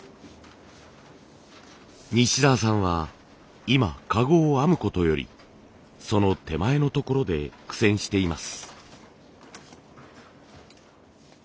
西澤さんは今籠を編むことよりその手前のところで苦戦しています。